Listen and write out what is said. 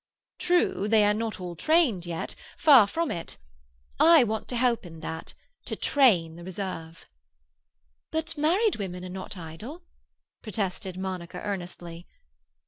True, they are not all trained yet—far from it. I want to help in that—to train the reserve." "But married woman are not idle," protested Monica earnestly.